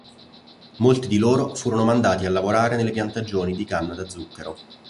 Molti di loro furono mandati a lavorare nelle piantagioni di canna da zucchero.